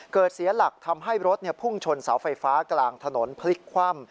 เสียหลักทำให้รถพุ่งชนเสาไฟฟ้ากลางถนนพลิกคว่ำ